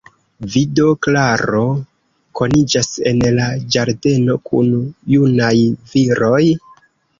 Vi do, Klaro, koniĝas en la ĝardeno kun junaj viroj?